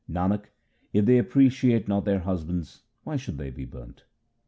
Nanak, if they appreciate not their husbands, why should they be burnt